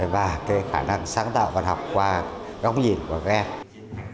và cái khả năng sáng tạo văn học qua góc nhìn của các em